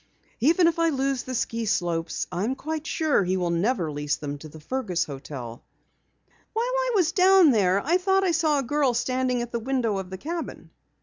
Even if I lose the ski slopes, I am quite sure he will never lease them to the Fergus hotel interests." "While I was down there I thought I saw a girl standing at the window of the cabin."